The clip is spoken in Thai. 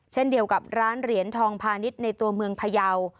เช่นเดียวกับร้านเหรียญทองพาณิชย์ในตัวเมืองพยาว